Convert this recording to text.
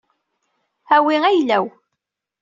Awi ayal-aw.